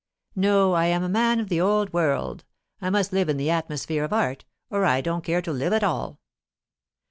"No; I am a man of the old world. I must live in the atmosphere of art, or I don't care to live at all."